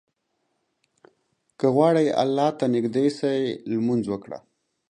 که غواړې الله ته نيږدى سې، لمونځ وکړه.